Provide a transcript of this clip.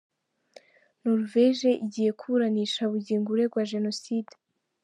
Noruveje igiye kuburanisha Bugingo uregwa Jenoside